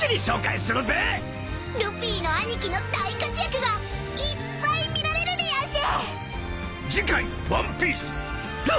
ルフィの兄貴の大活躍がいっぱい見られるでやんす！